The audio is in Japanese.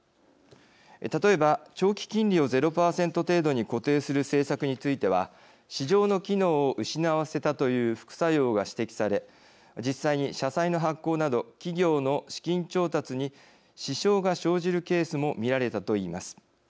例えば、長期金利をゼロ％程度に固定する政策については市場の機能を失わせたという副作用が指摘され実際に社債の発行など企業の資金調達に支障が生じるケースも見られたと言います。